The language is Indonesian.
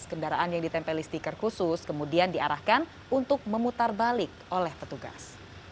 kendaraan yang ditempeli stiker khusus kemudian diarahkan untuk memutar balik oleh petugas